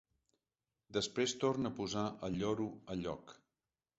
Després torna a posar el lloro a lloc.